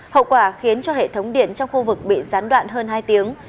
hậu quả khiến hệ thống điện trong khu vực bị gián đoạn hơn hai tiếng